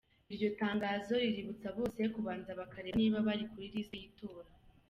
Iryo tangazo ribibutsa bose kubanza bakareba niba bari kuri lisiti y’Itora.